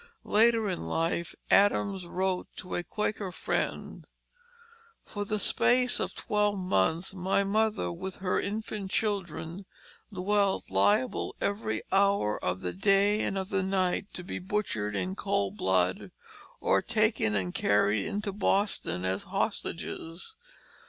Later in life Adams wrote to a Quaker friend: "For the space of twelve months my mother with her infant children dwelt, liable every hour of the day and of the night to be butchered in cold blood, or taken and carried into Boston as hostages.